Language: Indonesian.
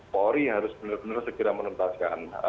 pori harus benar benar segera menentaskan